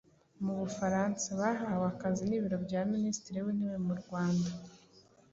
mu Bufaransa yahawe akazi n'ibiro bya minisitiri w'intebe mu Rwanda.